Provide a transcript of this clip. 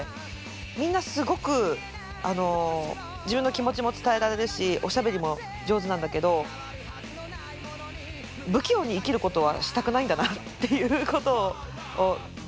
みんなすごく自分の気持ちも伝えられるしおしゃべりも上手なんだけど不器用に生きることはしたくないんだなっていうことを感じました。